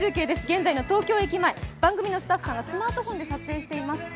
現在の東京駅前、番組のスタッフさんがスマートフォンで撮影しています。